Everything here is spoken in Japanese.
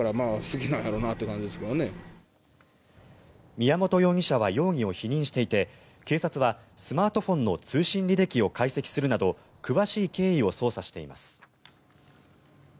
宮本容疑者は容疑を否認していて警察はスマートフォンの通信履歴を解析するなど詳しい経緯を捜査しています。